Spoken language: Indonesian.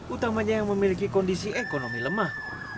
utamanya yang memiliki kondisi ekonomi lemah